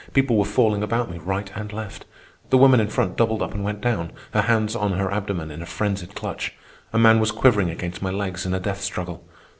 People were falling about me right and left. The woman in front doubled up and went down, her hands on her abdomen in a frenzied clutch. A man was quivering against my legs in a death struggle.